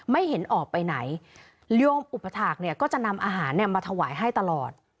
ไม่เห็นออกไปไหนโยมอุปถาคเนี่ยก็จะนำอาหารเนี่ยมาถวายให้ตลอด